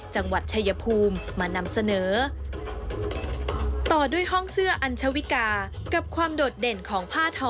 จังหวัดชายภูมิมานำเสนอต่อด้วยห้องเสื้ออัญชวิกากับความโดดเด่นของผ้าทอ